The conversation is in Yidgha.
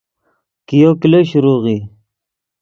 کئیو کلو شروع ای